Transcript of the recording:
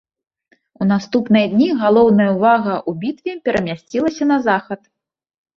У наступныя дні галоўная ўвага ў бітве перамясцілася на захад.